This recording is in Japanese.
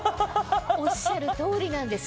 おっしゃる通りなんです。